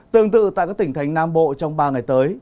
tương tự tại các tỉnh thành nam bộ trong ba ngày tới